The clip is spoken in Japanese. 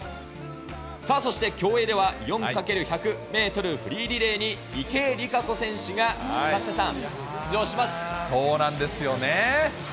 そして競泳では、４×１００メートルフリーリレーに池江璃花子選手が、サッシャさそうなんですよね。